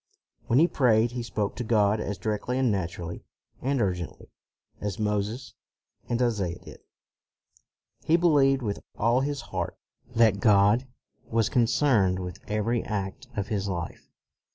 When he prayed, he spoke to God as directly and naturally and urgently as Moses and Isaiah did. He believed with all his heart that God was concerned with every act of his life.